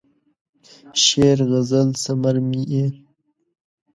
شعر، غزل ثمر مې یې